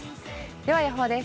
では予報です。